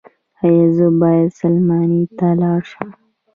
ایا زه باید سلماني ته لاړ شم؟